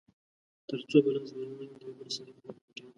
تر څو به لاس ګرېوان وي د يو بل سره پټانــه